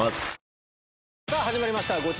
さぁ始まりました。